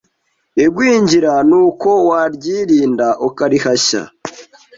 Igwingira nuko waryirinda ukarihashya